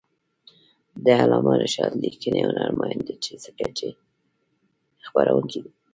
د علامه رشاد لیکنی هنر مهم دی ځکه چې څېړونکی دی.